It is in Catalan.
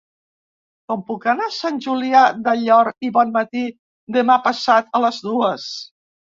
Com puc anar a Sant Julià del Llor i Bonmatí demà passat a les dues?